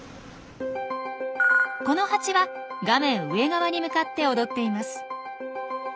このハチは画面上側に向かって踊っています。